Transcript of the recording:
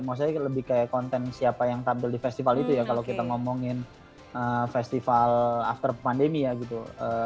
maksudnya lebih kayak konten siapa yang tampil di festival itu ya kalau kita ngomongin festival after pandemi ya gitu